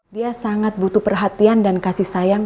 dia sangat butuh perhatian dan kasih sayang